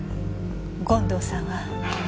権藤さんは。